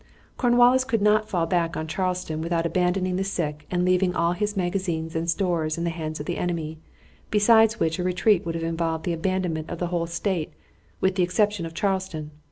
Cornwallis could not fall back on Charleston without abandoning the sick and leaving all his magazines and stores in the hands of the enemy, besides which a retreat would have involved the abandonment of the whole State with the exception of Charleston.